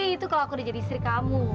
itu kalau aku udah jadi istri kamu